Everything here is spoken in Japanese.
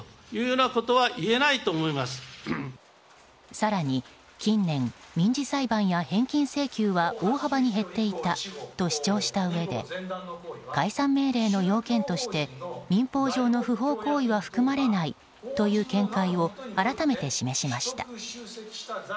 更に近年民事裁判や返金請求は大幅に減っていたと主張したうえで解散命令の要件として民法上の不法行為は含まれないという見解を改めて示しました。